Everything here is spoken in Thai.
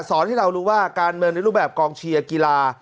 สอนให้เรารู้ว่าการเมืองในรูปแบบกองเชียร์กีฬา